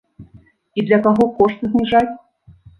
І для каго кошт зніжаць?